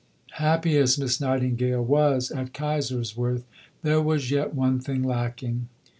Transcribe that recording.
IV Happy as Miss Nightingale was at Kaiserswerth, there was yet one thing lacking.